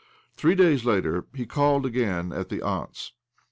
Three days later he called again at the atmt's